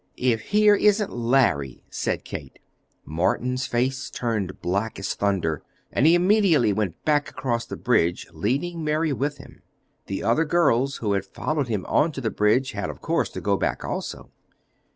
"If here isn't Larry!" said Kate. Morton's face turned as black as thunder, but he immediately went back across the bridge, leading Mary with him. The other girls, who had followed him on to the bridge, had of course to go back also.